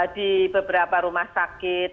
di beberapa rumah sakit